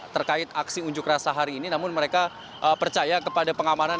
terkait aksi unjuk rasa hari ini namun mereka percaya kepada pengamanan